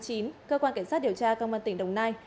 cơ quan cảnh sát điều tra công an tỉnh đồng nai